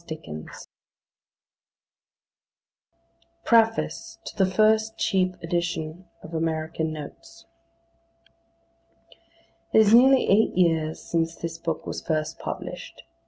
PREFACE TO THE FIRST CHEAP EDITION OF "AMERICAN NOTES" IT is nearly eight years since this book was first published.